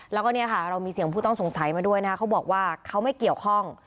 แล้วก็เนี่ยค่ะเรามีเสียงผู้ต้องสงสัยมาด้วยนะคะเขาบอกว่าเขาไม่เกี่ยวข้อง